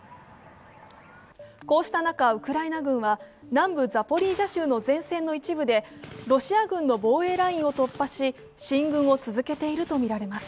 こうした中、ウクライナ軍は南部ザポリージャ州の前線の一部でロシア軍の防衛ラインを突破し進軍を続けているとみられます。